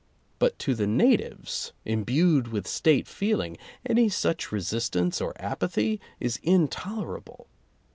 But to the natives imbued with State feeling, any such resistance or apathy is intolerable.